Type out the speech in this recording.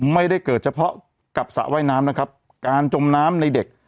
ไม่ได้เกิดเฉพาะกับสระว่ายน้ำนะครับการจมน้ำในเด็ก